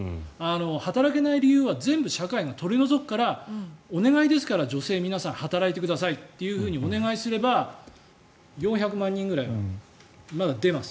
働けない理由は全部社会が取り除くからお願いですから女性の皆さん働いてくださいってお願いすれば４００万人ぐらいはまだ出ます。